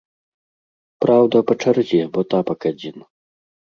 Праўда, па чарзе, бо тапак адзін.